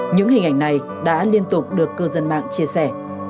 những hình ảnh này đã liên tục được cư dân mạng chia sẻ